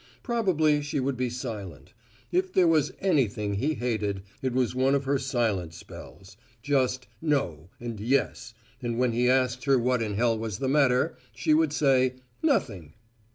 Probably she would be silent. If there was anything he hated, it was one of her silent spells. Just "No" and "Yes," and when he asked her what in hell was the matter, she would say "Nothing."